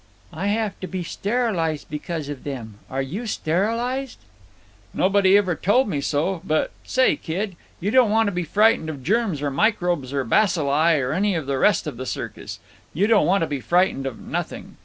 "I have to be sterilized because of them. Are you sterilized?" "Nobody ever told me so. But, say, kid, you don't want to be frightened of germs or microbes or bacilli or any of the rest of the circus. You don't want to be frightened of nothing.